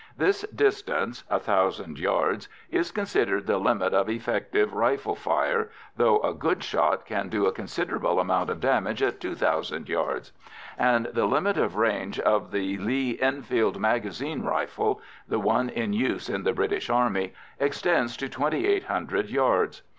This distance, 1000 yards, is considered the limit of effective rifle fire, though a good shot can do a considerable amount of damage at 2000 yards, and the limit of range of the Lee Enfield magazine rifle, the one in use in the British Army, extends to 2800 yards.